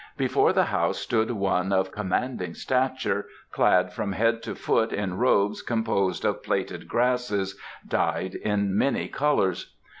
Before the house stood one of commanding stature, clad from head to foot in robes composed of plaited grasses, dyed in many colours.